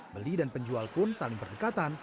beli dan penjual pun saling berdekatan